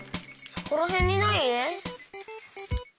そこらへんにない？